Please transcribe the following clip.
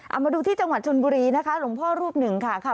เอามาดูที่จังหวัดชนบุรีนะคะหลวงพ่อรูปหนึ่งค่ะค่ะ